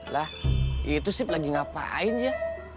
lah itu sip lagi ngapain ya